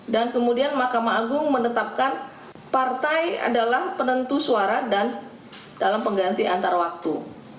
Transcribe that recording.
dan kemudian mahkamah agung menetapkan partai adalah penentu suara dan dalam pengganti antarwaktu